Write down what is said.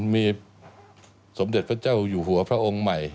มีสมเด็จพระเจ้าอยู่หัวพระองค์ใหม่